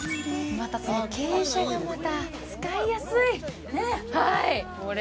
またその傾斜がまた使いやすい！